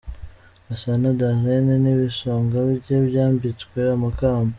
Gasana Darlène n’ibisonga bye bambitswe amakamba.